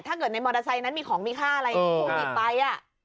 ถ้าเกิดในมอเตอร์ไซค์นั้นมีของมีค่าอะไรถูกหยิบไป